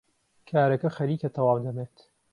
کارەکە خەریکە تەواو دەبێت.